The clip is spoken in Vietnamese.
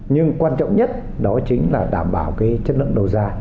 nhưng quan trọng nhất đó chính là đảm bảo cái chất lượng đầu ra